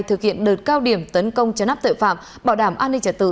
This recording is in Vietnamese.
thực hiện đợt cao điểm tấn công chấn áp tội phạm bảo đảm an ninh trả tự